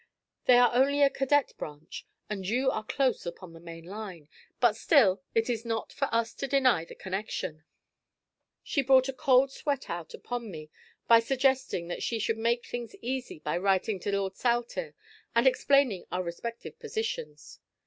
They are only a cadet branch, and you are close upon the main line; but still it is not for us to deny the connection." She brought a cold sweat out upon me by suggesting that she should make things easy by writing to Lord Saltire and explaining our respective positions.